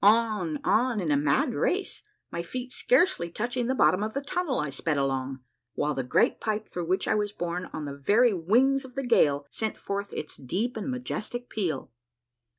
On, on, in a mad race, my feet scarcely touching the bottom of the tunnel, I sped along, while the great pipe through which I was borne on the very wings of the gale sent forth its deep and majestic peal.